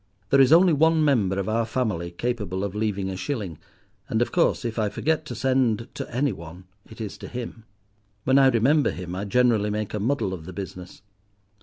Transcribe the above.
There is only one member of our family capable of leaving a shilling; and of course if I forget to send to any one it is to him. When I remember him I generally make a muddle of the business.